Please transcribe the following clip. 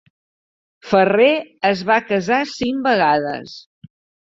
Ferrer es va casar cinc vegades.